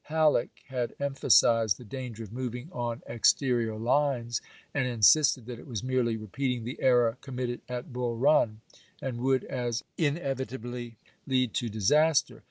Halleck had emphasized the danger of moving on " exterior lines " and insisted that it was merely repeating the error committed at Bull Run, and would as inevitably lead to dis aster.